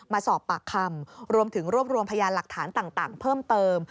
มาสอบปากคำรวมถึงรวบรวมพยานหลักฐานต่างเพิ่มเติม